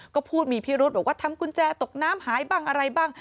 ก็พูดมีพิรุษบอกว่าทำกุญแจตกน้ำหายบ้างอะไรบ้าง